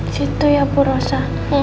gitu ya bu rosa